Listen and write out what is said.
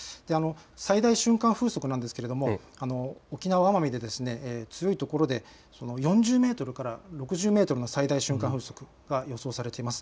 最大瞬間風速ですが沖縄・奄美で強いところで４０メートルから６０メートルの最大瞬間風速が予想されています。